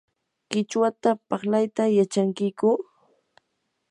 ¿qichwata parlayta yachankiyku?